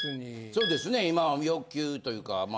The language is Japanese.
そうですね今欲求というかまあ。